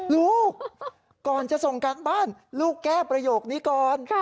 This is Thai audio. ลูกก่อนจะส่งการบ้านลูกแก้ประโยคนี้ก่อน